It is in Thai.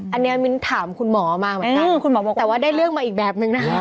อันนี้มีนถามคุณหมอมากต่อแต่ว่าได้เลือกมาอีกแบบ